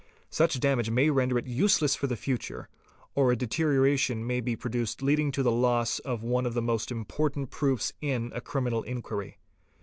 Such damage may render it useless for the future, or a deterioration may be produced leading to the loss of one of the most important proofs in a criminal inquiry.